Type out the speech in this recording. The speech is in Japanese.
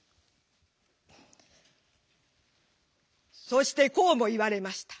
「そしてこうも言われました。